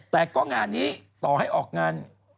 แต่ก็งานนี้ต่อให้ออกงาน